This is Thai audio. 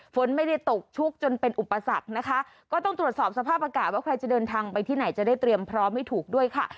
ฝนไม่ได้ตกชุกจนเป็นอุปสรรคนะคะก็ต้องตรวจสอบสภาพอากาศว่าใครจะเดินทางไปที่ไหนจะได้เตรียมพร้อมให้ถูกด้วยค่ะ